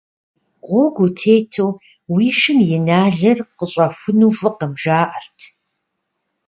Гъуэгу утету уи шым и налыр къыщӀэхуну фӀыкъым, жаӀэрт.